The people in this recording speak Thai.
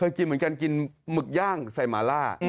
กินเหมือนกันกินหมึกย่างใส่หมาล่า